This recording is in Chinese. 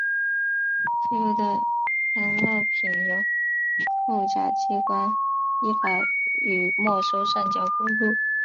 所收的贿赂品由扣押机关依法予以没收上缴国库。